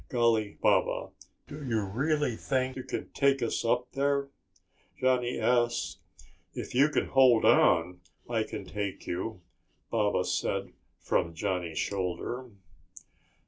"Golly, Baba, do you really think you can take us up there?" Johnny asked. "If you can hold on, I can take you," Baba said from Johnny's shoulder.